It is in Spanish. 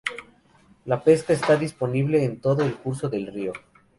La pesca está disponible en todo el curso del río.